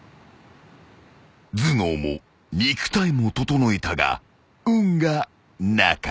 ［頭脳も肉体も整えたが運がなかった］